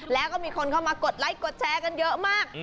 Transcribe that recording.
แล้วก็มีคนเข้ามากดไลค์กดแชร์กันเยอะมาก